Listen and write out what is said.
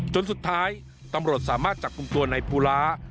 จนสุดท้ายตำรวจสามารถจับกลุ่มตัวในภูลา